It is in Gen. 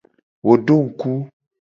Wo do ngku.